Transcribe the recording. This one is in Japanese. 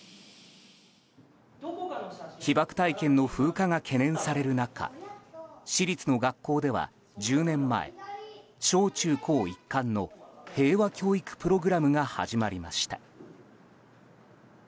被爆体験の風化が懸念される中市立の学校では１０年前小中高一貫の平和教育プログラムが始まりました。